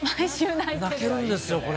泣けるんですよ、これ。